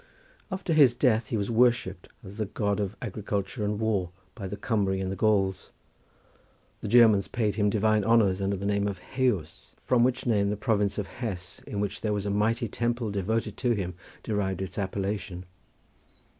After his death he was worshipped as the God of agriculture and war by the Cumry and the Gauls. The Germans paid him divine honours under the name of Heus, from which name the province of Hesse in which there was a mighty temple devoted to him derived its appellation.